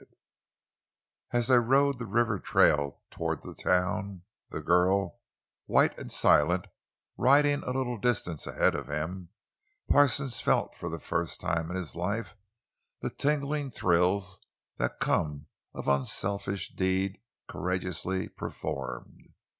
And as they rode the river trail toward the town, the girl, white and silent, riding a little distance ahead of him, Parsons felt for the first time in his life the tingling thrills that come of an unselfish deed courageously performed.